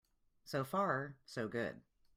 So far so good.